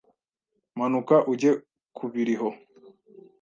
Manuka ujye kubiriho